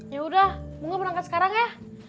ya udah bunga berangkat sekarang ya